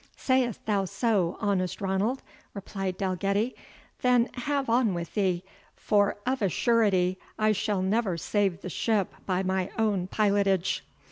"Say'st thou so, honest Ranald?" replied Dalgetty; "then have on with thee; for of a surety I shall never save the ship by my own pilotage."